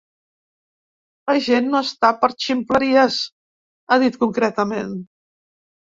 La gent no està per ximpleries, ha dit concretament.